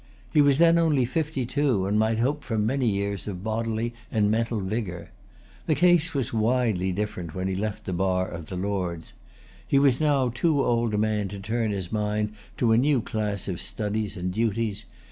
He was then only fifty two, and might hope for many years of bodily and mental vigor. The case was widely different when he left the bar of the Lords. He was now too old a man to turn his mind to a new class of studies and duties.